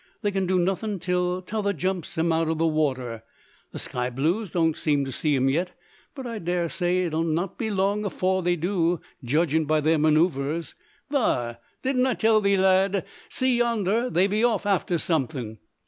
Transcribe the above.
They can do nothin' till t' other jumps 'em out o' the water. The sky blues don't seem to see 'em yet; but I dare say it'll not be long afore they do, judgin' by their manoeuvres. Thar! Didn't I tell thee, lad? See yonder! They be off after something."